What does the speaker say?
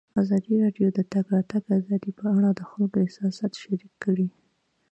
ازادي راډیو د د تګ راتګ ازادي په اړه د خلکو احساسات شریک کړي.